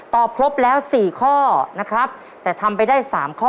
ครบแล้ว๔ข้อนะครับแต่ทำไปได้๓ข้อ